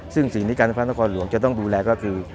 ซึ่งสิ่งที่การไฟฟ้านครหลวงจะต้องดูแลก็คือ